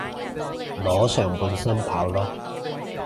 裸上半身跑囉